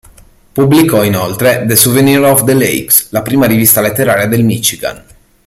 Pubblicò inoltre "The Souvenir of the Lakes", la prima rivista letteraria del Michigan.